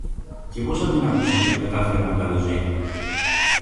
και πως αντί να κουτσοζεί, κατάφερε να καλοζεί.